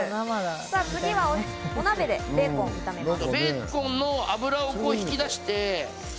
続いて、お鍋でベーコンを炒めます。